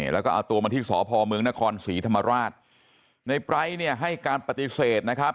แล้วก็เอาตัวมาที่สพเมืองนครศรีธรรมราชในไร้เนี่ยให้การปฏิเสธนะครับ